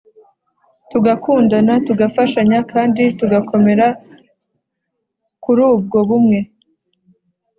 tugakundana, tugafashanya kandi tugakomera kuri ubwo bumwe